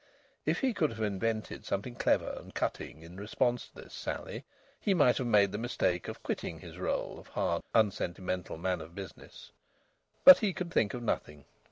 If he could have invented something clever and cutting in response to this sally he might have made the mistake of quitting his rôle of hard, unsentimental man of business. But he could think of nothing.